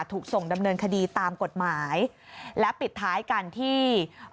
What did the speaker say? ถูกส่งดำเนินคดีตามกฎหมายและปิดท้ายกันที่